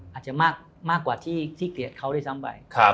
อาจจะมากกว่าที่เกลียดเขาด้วยซ้ำไป